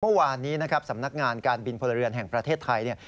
เมื่อวานนี้นะครับสำนักงานการบินพลเรือนแห่งประเทศไทยเนี่ย